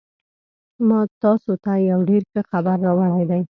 ما تاسو ته یو ډېر ښه خبر راوړی دی